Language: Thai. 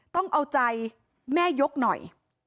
ต้องเอาใจแม่ยกหน่อย